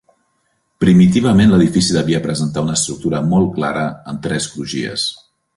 Primitivament l'edifici devia presentar una estructura molt clara en tres crugies.